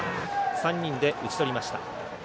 ３人で打ち取りました。